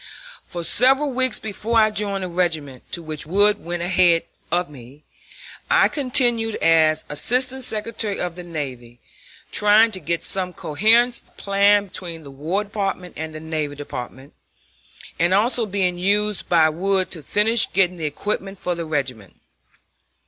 For several weeks before I joined the regiment, to which Wood went ahead of me, I continued as Assistant Secretary of the Navy, trying to get some coherence of plan between the War Department and the Navy Department; and also being used by Wood to finish getting the equipment for the regiment.